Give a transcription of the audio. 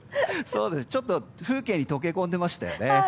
ちょっと風景に溶け込んでましたよね。